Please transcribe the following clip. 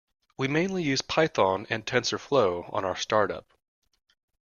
We mainly use Python and Tensorflow on our startup.